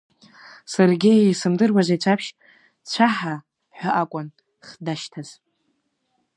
Саргьы исымдыруази Цәаԥшь, цәаҳа ҳәа акәын хдашьҭаз.